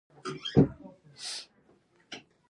په دنیوی چارو کی ددوی سره مشوره وکړی .